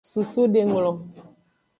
Susudenglo.